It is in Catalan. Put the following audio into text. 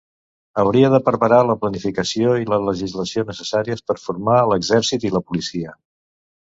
Hauria de preparar la planificació i la legislació necessàries per formar l'exèrcit i la policia.